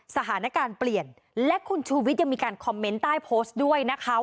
สถานการณ์เปลี่ยนและคุณชูวิทย์ยังมีการคอมเมนต์ใต้โพสต์ด้วยนะคะ